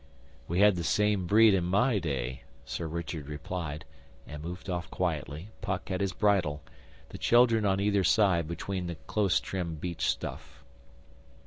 'We had the same breed in my day,' Sir Richard replied, and moved off quietly, Puck at his bridle, the children on either side between the close trimmed beech stuff.